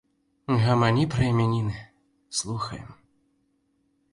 Гамані пра імяніны, слухаем.